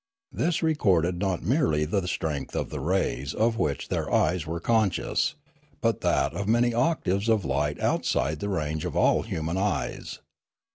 This recorded not merely the strength of the rays of which their eyes were conscious, but that of many octaves of light outside of the range of all human eyes.